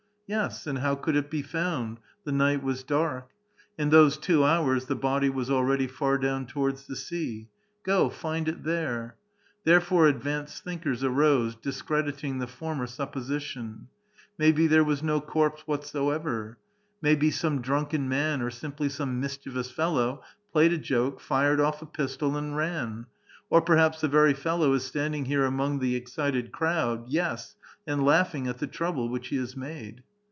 Yes ; and how could it be found? The night was dark. In those two hours the bodj' was already far down towards the sea. Go, find it there. Therefore advanced thinkers arose, discrediting the former supposition :—" May be there was no corpse whatsoever. May be some drunken man, or simply some mischievous fellow, played a joke, fired off a pistol, and ran ; or perhaps the very fellow is standing here among the excited crowd, yes, and laughing at the trouble which he has made."